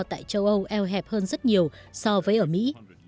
tại châu âu eo hẹp hơn rất nhiều so với ở mỹ